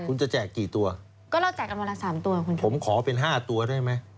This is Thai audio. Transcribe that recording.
คุณจะแจกกี่ตัวก็เราแจกกันวันละสามตัวคุณผมขอเป็นห้าตัวได้ไหม